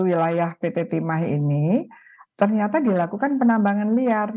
wilayah pt timah ini ternyata dilakukan penambangan liar